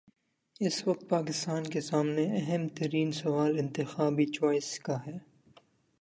اس وقت پاکستان کے سامنے اہم ترین سوال انتخابی چوائس کا ہے۔